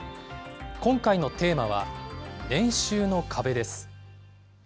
今回のテーマは、年収の壁です。